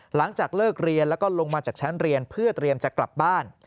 หลังจากเลิกเรียนแล้วก็ลงมาจากชั้นเรียนเพื่อเตรียมจะกลับบ้าน